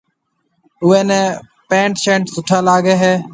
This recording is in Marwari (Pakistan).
اوئي نيَ پينٽ شرٽ سُٺا لاگي ھيََََ